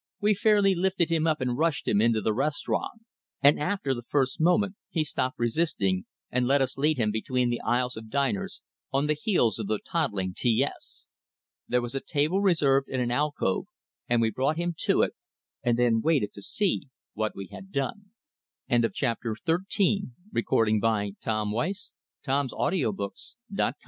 We fairly lifted him up and rushed him into the restaurant; and after the first moment he stopped resisting, and let us lead him between the aisles of diners, on the heels of the toddling T S. There was a table reserved, in an alcove, and we brought him to it, and then waited to see what we had done. XIV Carpenter turned to me and those sad but everchanging eyes were flashi